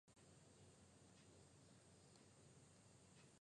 এটি মূলত বর্তমানে বিলুপ্ত খুচরা চেইন ওয়ান আপ গেমস দ্বারা চালিত হয়েছিল।